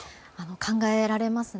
考えられますね。